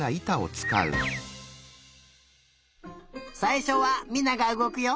さいしょは美菜がうごくよ。